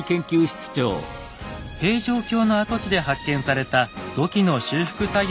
平城京の跡地で発見された土器の修復作業に取り組んでいます。